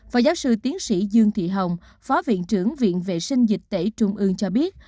phó giáo sư tiến sĩ dương thị hồng phó viện trưởng viện vệ sinh dịch tễ trung ương cho biết